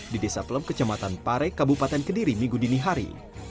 di desa plem kecamatan pare kabupaten kediri minggu dinihari